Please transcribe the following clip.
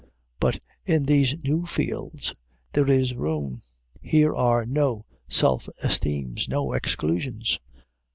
But in these new fields there is room: here are no self esteems, no exclusions.